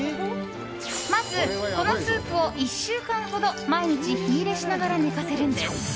まず、このスープを１週間ほど毎日火入れしながら寝かせるんです。